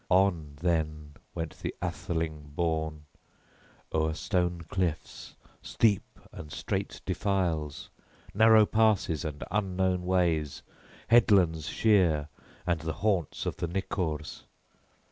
On then went the atheling born o'er stone cliffs steep and strait defiles, narrow passes and unknown ways, headlands sheer, and the haunts of the Nicors.